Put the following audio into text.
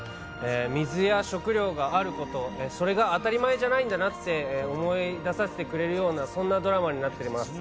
水や食料があること、それが当たり前じゃないんだなと思わせてくれるそんなドラマになってます。